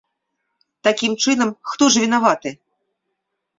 Такім чынам, хто ж вінаваты?